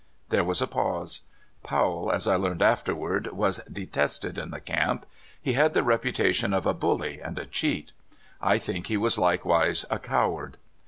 There was a pause. Powell, as I learned after ward, was detested in the camp. He had the reputation of a bully and a cheat. I think he was likewise a coward.